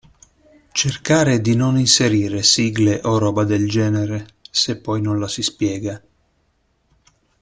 Cercare di non inserire sigle o roba del genere se poi non la si spiega.